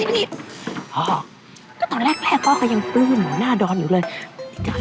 ก็ตอนแรกพ่อค่อยยังอุ้ยหูหน้าดอนอยู่เลย